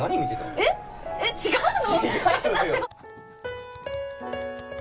えっえっ違うの？